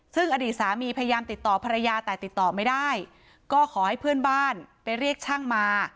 ซึ่งอดีตสามีพยายามติดต่อภรรยาแต่ติดต่อไม่ได้ก็ขอให้เพื่อนบ้านไปเรียกช่างมา